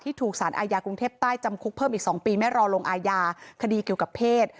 ถูกสารอาญากรุงเทพใต้จำคุกเพิ่มอีก๒ปีไม่รอลงอาญาคดีเกี่ยวกับเพศ